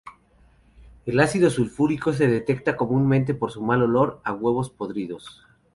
El ácido sulfhídrico se detecta comúnmente por su mal olor, a huevos podridos.